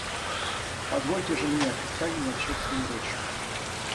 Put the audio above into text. Позвольте же мне официально начать свою речь.